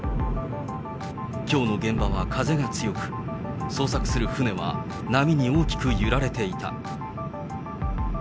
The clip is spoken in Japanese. きょうの現場は風が強く、捜索する船は波に大きく揺られていた。